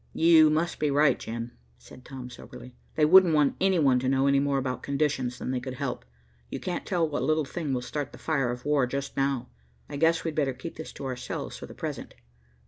"You must be right, Jim," said Tom soberly. "They wouldn't want any one to know any more about conditions than they could help. You can't tell what little thing will start the fire of war just now. I guess we'd better keep this to ourselves for the present."